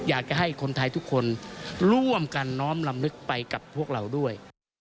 อยากจะให้คนไทยทุกคนร่วมกันน้อมลำลึกไปกับพวกเราด้วย